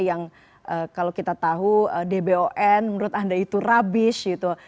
yang kalau kita tahu dbon menurut anda itu rubbish